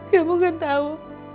kamu kan tahu